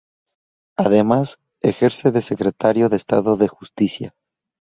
Además, ejerce de secretario de Estado de Justicia.